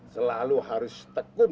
selalu harus tekun